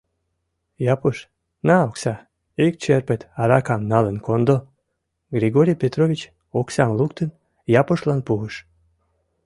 Япуш, на окса, ик черпыт аракам налын кондо, — Григорий Петрович, оксам луктын, Япушлан пуыш.